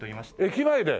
駅前で？